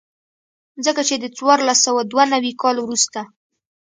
ځکه چې د څوارلس سوه دوه نوي کال وروسته.